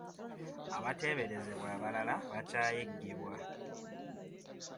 Abateeberezebwa abalala bakyayiggibwa.